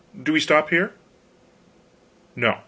Do we stop there? No.